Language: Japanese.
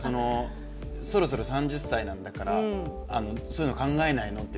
そろそろ３０歳なんだからそういうの考えないの、と。